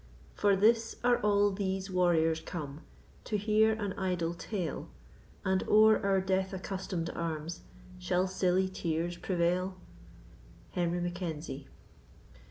For this are all these warriors come, To hear an idle tale; And o'er our death accustom'd arms Shall silly tears prevail? HENRY MACKENZIE.